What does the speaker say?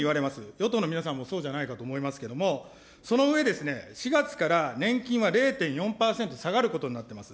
与党の皆さんもそうじゃないかと思いますけど、その上ですね、４月から年金は０．４％下がることになってます。